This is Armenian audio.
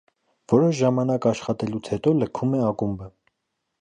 Որոշ ժամանակ աշխատելուց հետո լքում է ակումբը։